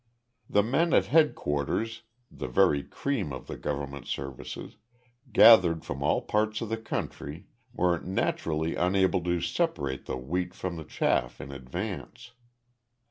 The men at headquarters, the very cream of the government services, gathered from all parts of the country, were naturally unable to separate the wheat from the chaff in advance.